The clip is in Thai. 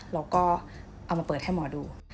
เราก็เอามาเปิดให้หมอดู